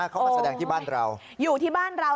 เขามาแสดงที่บ้านเราอยู่ที่บ้านเรา